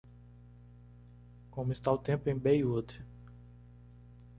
como está o tempo em Baywood